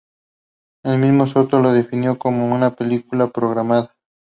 El mismo Soto la definió como "una película de propaganda".